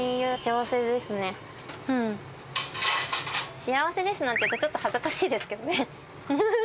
幸せですなんて言うと、ちょっと恥ずかしいですけどね。